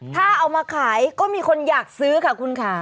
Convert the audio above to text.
ถ้าเอามาขายก็มีคนอยากซื้อค่ะคุณค่ะ